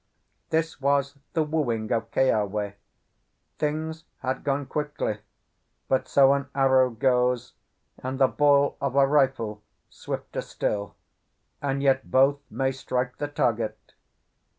This was the wooing of Keawe; things had gone quickly; but so an arrow goes, and the ball of a rifle swifter still, and yet both may strike the target.